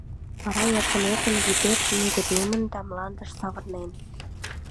Вара эркын-эркын вӱдет нугыдемын да мландыш савырнен.